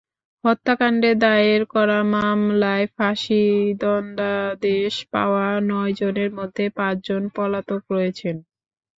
হত্যাকাণ্ডে দায়ের করা মামলায় ফাঁসির দণ্ডাদেশ পাওয়া নয়জনের মধ্যে পাঁচজন পলাতক রয়েছেন।